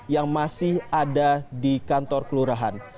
yang masih ada di kantor kelurahan